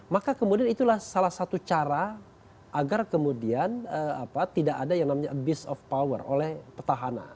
maka kemudian itulah salah satu cara agar kemudian tidak ada yang namanya abuse of power oleh petahana